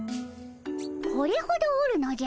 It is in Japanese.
これほどおるのじゃ。